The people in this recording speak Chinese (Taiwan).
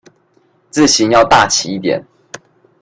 字型要大器一點